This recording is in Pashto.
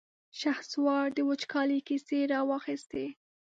شهسوار د وچکالۍ کيسې را واخيستې.